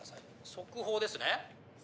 速報です。